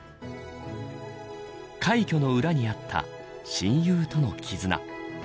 快挙の裏にあった親友との絆。